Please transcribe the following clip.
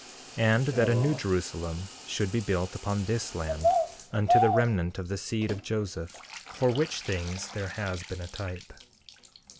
13:6 And that a New Jerusalem should be built upon this land, unto the remnant of the seed of Joseph, for which things there has been a type.